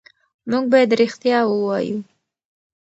موږ باید رښتیا ووایو.